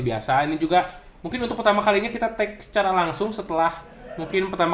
biasa ini juga mungkin untuk pertama kalinya kita take secara langsung setelah mungkin pertama